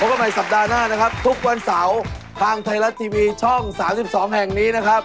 กันในสัปดาห์หน้านะครับทุกวันเสาร์ทางไทยรัฐทีวีช่อง๓๒แห่งนี้นะครับ